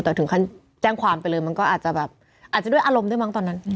แต่ถึงขั้นแจ้งความไปเลยมันก็อาจจะแบบอาจจะด้วยอารมณ์ด้วยมั้งตอนนั้น